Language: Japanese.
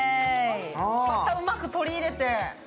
また、うまく取り入れて。